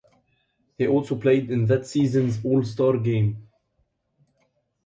He also played in that season's All-Star Game.